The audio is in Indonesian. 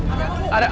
ada apa mbak